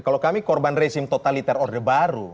kalau kami korban rezim totaliter order baru